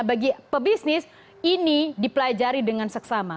bagi pebisnis ini dipelajari dengan seksama